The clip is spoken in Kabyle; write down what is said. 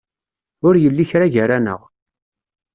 Ur yelli kra gar-aneɣ.